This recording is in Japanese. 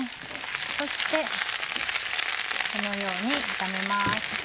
そしてこのように炒めます。